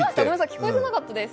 聞こえてなかったです。